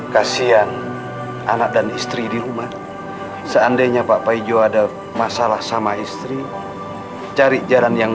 kasihan anak dan istri di rumah seandainya pak paijo ada masalah sama istri cari jalan yang